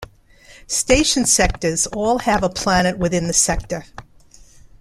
Station sectors all have a planet within the sector.